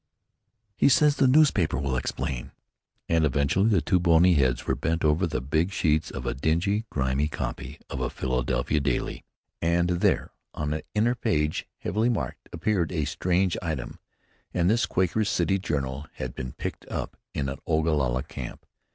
He says the newspaper will explain." And presently the two bonny heads were bent over the big sheets of a dingy, grimy copy of a Philadelphia daily, and there, on an inner page, heavily marked, appeared a strange item, and this Quaker City journal had been picked up in an Ogalalla camp.